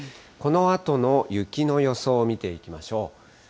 このあとの雪の予想を見ていきましょう。